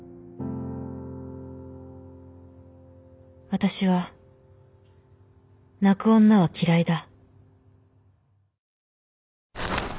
［私は泣く女は嫌いだ。］